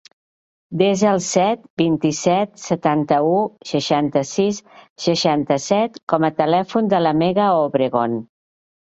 Desa el set, vint-i-set, setanta-u, seixanta-sis, seixanta-set com a telèfon de la Megan Obregon.